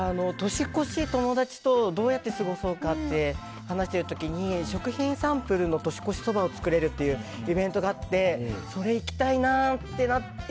年越し、友達とどうやって過ごそうかって話してる時に食品サンプルの年越しそばを作れるっていうイベントがあってそれ行きたいなってなって。